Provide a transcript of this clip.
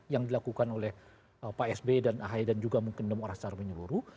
yang dilakukan oleh pak sbi dan ahi dan juga mungkin demokrasi taruh menyeluruh